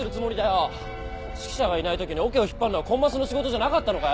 指揮者がいないときにオケを引っ張るのはコンマスの仕事じゃなかったのかよ！？